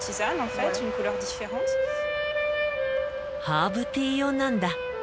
ハーブティー用なんだ。